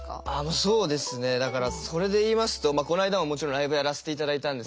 だからそれで言いますとこの間ももちろんライブやらせていただいたんですけど